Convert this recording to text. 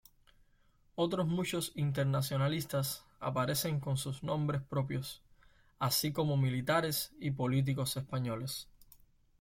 Otros muchos internacionalistas aparecen con sus nombres propios, así como militares y políticos españoles.